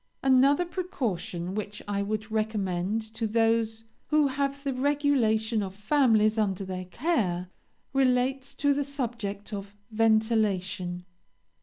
"Another precaution which I would recommend to those who have the regulation of families under their care, relates to the subject of ventilation.